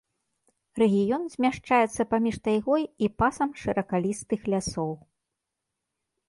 Рэгіён змяшчаецца паміж тайгой і пасам шыракалістых лясоў.